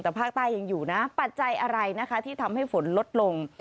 แต่ภาคใต้ยังอยู่นะปัจจัยอะไรนะคะที่ทำให้ฝนลดลง